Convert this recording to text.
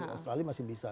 australia masih bisa